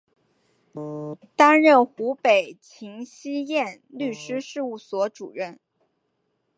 担任湖南秦希燕律师事务所主任。